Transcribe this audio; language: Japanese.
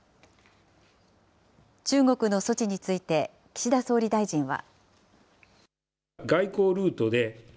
中国の措置について岸田総理大臣は。